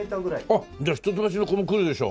じゃあ一橋の子も来るでしょ？